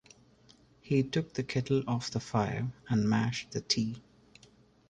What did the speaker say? He took the kettle off the fire and mashed the tea.